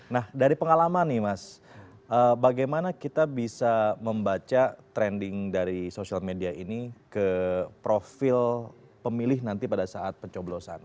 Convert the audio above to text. nah dari pengalaman nih mas bagaimana kita bisa membaca trending dari social media ini ke profil pemilih nanti pada saat pencoblosan